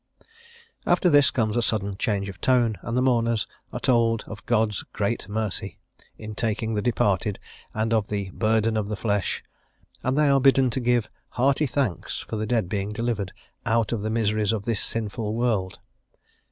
After this comes a sudden change of tone, and the mourners are told of God's "great mercy" in taking the departed, and of the "burden of the flesh," and they are bidden to give "hearty thanks" for the dead being delivered "out of the miseries of this sinful world."